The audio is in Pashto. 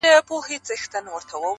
د سيند پر غاړه، سندريزه اروا وچړپېدل~